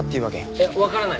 いやわからない。